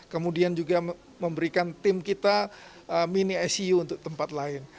kemudian juga memberikan tim kita mini icu untuk tempat lain